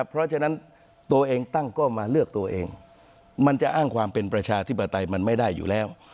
เพราะฉะนั้นตัวเองตั้งก็มาเลือกตัวเองมันจะอ้างความเป็นประชาธิปไตยมันไม่ได้อยู่แล้ว